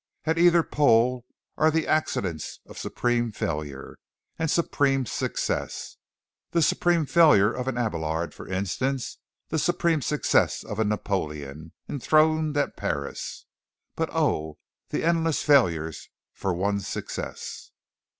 At either pole are the accidents of supreme failure and supreme success the supreme failure of an Abélard for instance, the supreme success of a Napoleon, enthroned at Paris. But, oh, the endless failures for one success.